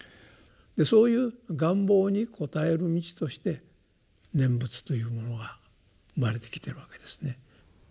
そういう願望に答える道として「念仏」というものが生まれてきているわけですね。